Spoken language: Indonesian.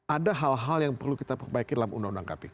ada hal hal yang perlu kita perbaiki dalam undang undang kpk